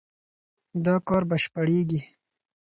دا کار بشپړېږي.